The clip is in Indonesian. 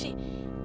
ya udah aku mau